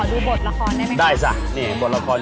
อุปกรณ์ที่ใช้เสื้อผ้าก็นำเข้าหมด